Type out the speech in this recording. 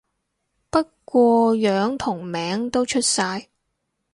不過樣同名都出晒